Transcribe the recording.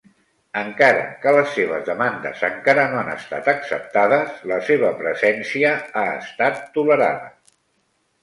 Encara que les seves demandes encara no han estat acceptades, la seva presència ha estat tolerada.